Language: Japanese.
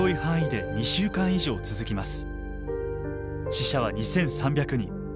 死者は２，３００人。